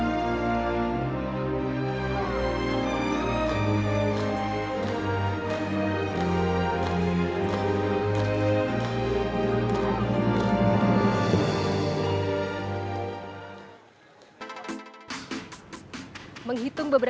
dan saya tak pernah neighbor ke sana